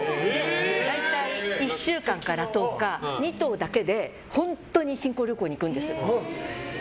大体１週間から１０日２頭だけで本当に新婚旅行に行くんです。